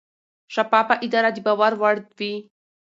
شفافه اداره د باور وړ وي.